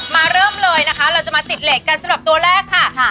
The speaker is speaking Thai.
เริ่มเลยนะคะเราจะมาติดเหล็กกันสำหรับตัวแรกค่ะ